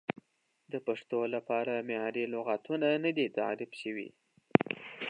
د پښتو لپاره معیاري لغتونه نه دي تعریف شوي.